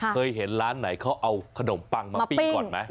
เคยเห็นร้านไหนเขาเอาขนมปังมาปิ้งก่อนไหม